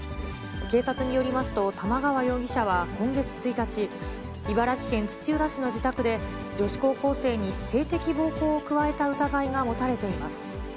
警察によりますと、玉川容疑者は今月１日、茨城県土浦市の自宅で、女子高校生に性的暴行を加えた疑いが持たれています。